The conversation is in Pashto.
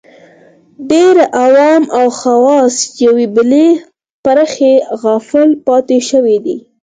ډېر عوام او خواص یوې بلې برخې غافل پاتې شوي دي